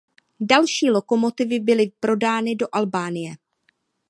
Další lokomotivy byly prodány do Albánie.